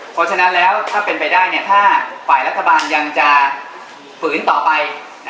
เพราะฉะนั้นแล้วถ้าเป็นไปได้ถ้าฝ่ายรัฐบาลยังจะฝืนต่อไป